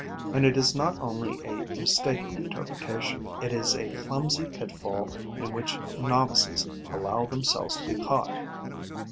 And it is not only a mistaken interpretation: it is a clumsy pitfall in which novices allow themselves to be caught.